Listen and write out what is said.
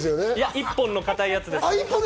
一本の硬いやつです。